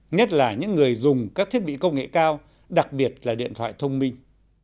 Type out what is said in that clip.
nhất là những người dùng các thiết bị công nghệ cao đặc biệt là điện thoại thông minh